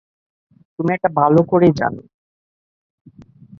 তুমি এটা ভালো করেই জানো।